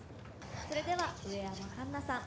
それでは上山かんなさん